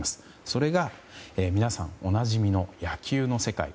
それが、皆さんおなじみの野球の世界。